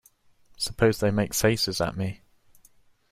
Suppose they make faces at me.